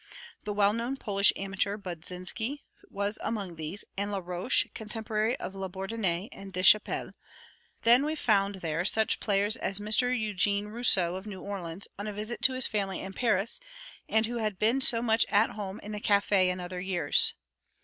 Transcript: The well known Polish amateur, Budzinsky, was amongst these, and Laroche, contemporary of Labourdonnais and Deschappelles. Then we found there such players as Mr. Eugene Rousseau, of New Orleans, on a visit to his family in Paris, and who had been so much "at home" in the café in other years.